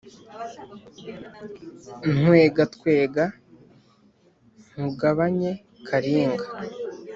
Ntwengatwenga nkugabanye karinga